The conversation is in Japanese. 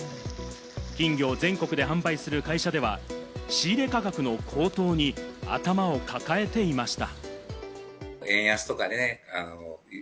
金魚を全国で販売する会社では、仕入れ価格の高騰に頭を抱えていました。